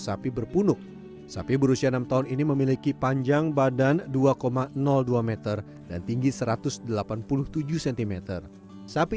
sapi berpunuk sapi berusia enam tahun ini memiliki panjang badan dua dua m dan tinggi satu ratus delapan puluh tujuh cm sapi